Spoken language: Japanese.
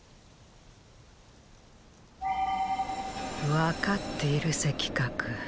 分かっている赤鶴。